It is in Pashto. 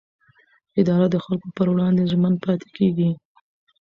اداره د خلکو پر وړاندې ژمن پاتې کېږي.